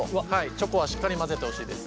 チョコはしっかり混ぜてほしいです。